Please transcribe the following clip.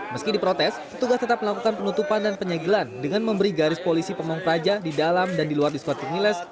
meski diprotes petugas tetap melakukan penutupan dan penyegelan dengan memberi garis polisi pamung praja di dalam dan di luar diskotik miles